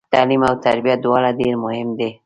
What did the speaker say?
تعلیم او تربیه دواړه ډیر مهم دي